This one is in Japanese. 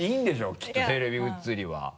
きっとテレビ映りは。